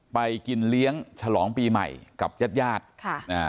ไปกินเลี้ยงฉลองปีใหม่กับญาติญาติค่ะอ่า